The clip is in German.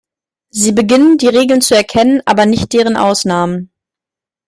Sie beginnen, die Regeln zu erkennen, aber nicht deren Ausnahmen.